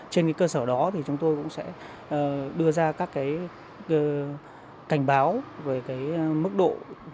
trên cơ sở đó thì chúng tôi cũng sẽ đưa ra các cảnh báo về mức độ